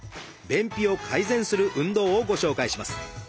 便秘を改善する運動をご紹介します。